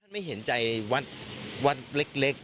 ไม่เห็นใจวัดวัดเล็ก